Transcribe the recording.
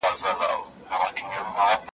زاهده زما پر ژبه نه راځي توبه له میو .